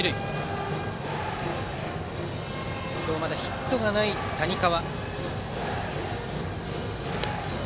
バッターは今日まだヒットがない谷川。